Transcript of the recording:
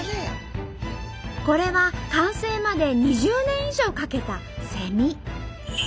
これは完成まで２０年以上かけた「セミ」。